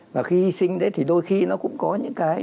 và khi hy sinh đấy thì đôi khi nó cũng có những cái